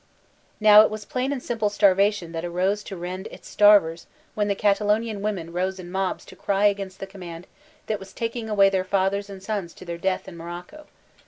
Now it was plain and simple Starvation that rose to rend its starvers when the Catalonian women rose in mobs to cry against the command that was taking away their fathers and sons to their death in Morocco.